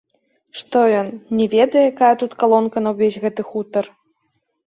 Што ён, не ведае, якая тут калонка на ўвесь гэты хутар?